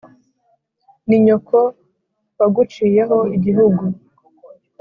Ni nyoko waguciyeho igihugu: